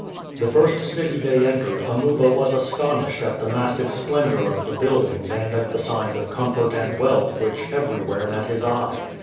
The first city they entered Amuba was astonished at the massive splendor of the buildings and at the signs of comfort and wealth which everywhere met his eye.